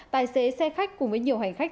tài xế xe khách cùng với nhiều hành khách